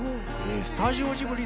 スタジオジブリ